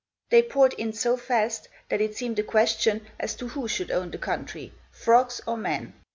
They poured in so fast, that it seemed a question as to who should own the country frogs or men.